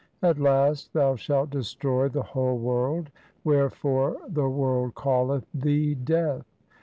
At last Thou shalt destroy the whole world ; Wherefore the world calleth Thee Death.